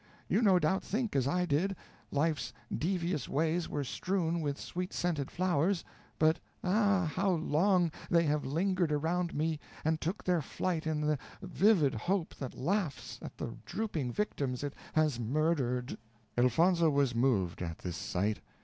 You no doubt think as I did life's devious ways were strewn with sweet scented flowers, but ah! how long they have lingered around me and took their flight in the vivid hope that laughs at the drooping victims it has murdered." Elfonzo was moved at this sight.